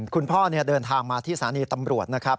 คุณพ่อเดินทางมาที่สถานีตำรวจนะครับ